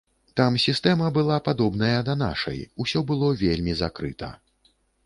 Там сістэма была падобная да нашай, усё было вельмі закрыта.